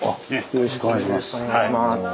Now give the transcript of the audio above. よろしくお願いします。